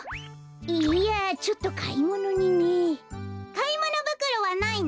かいものぶくろはないの？